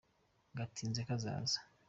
Gatinze kazaza.